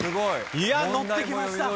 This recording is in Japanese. いや乗ってきました。